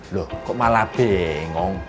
loh kok malah bingung